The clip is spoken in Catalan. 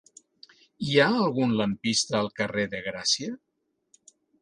Hi ha algun lampista al carrer de Gràcia?